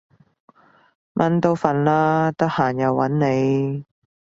蚊都瞓喇，得閒又搵你